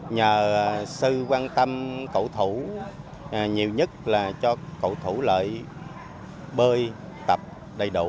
nhờ sư quan tâm cậu thủ nhiều nhất là cho cậu thủ lợi bơi tập đầy đủ